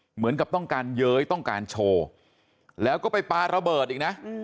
เหมือนกับต้องการเย้ยต้องการโชว์แล้วก็ไปปลาระเบิดอีกนะ